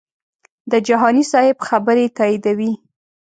د جهاني صاحب خبرې تاییدوي.